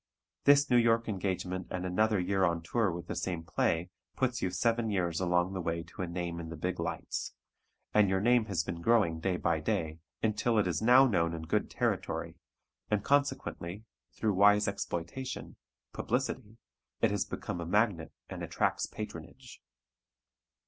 This New York engagement and another year on tour with the same play puts you seven years along the way to a name in the big lights, and your name has been growing day by day, until it is now known in good territory, and consequently, through wise exploitation publicity it has become a magnet and attracts patronage.